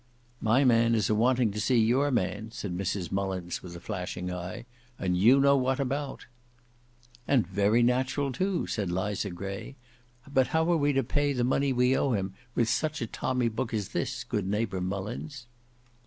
"My man is a wanting to see your man," said Mrs Mullins, with a flashing eye; "and you know what about." "And very natural, too," said Liza Gray; "but how are we to pay the money we owe him, with such a tommy book as this, good neighbour Mullins?"